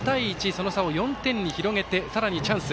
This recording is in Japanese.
その差を４点に広げてさらにチャンス。